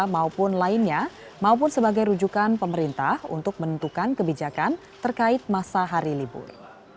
maupun lainnya maupun sebagai rujukan pemerintah untuk menentukan kebijakan terkait masa hari libur